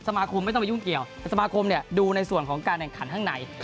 สมาคมไม่ต้องไปยุ่งเกี่ยวสมาคมเนี่ยดูในส่วนของการแห่งขันข้างใน